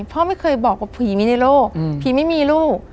พ่อไม่เคยบอกว่าผีมีในโลกผีไม่มีลูก